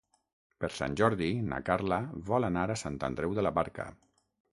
Per Sant Jordi na Carla vol anar a Sant Andreu de la Barca.